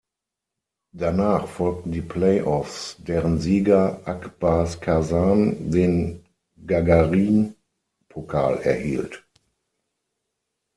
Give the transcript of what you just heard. Danach folgten die Playoffs, deren Sieger Ak Bars Kasan den Gagarin-Pokal erhielt.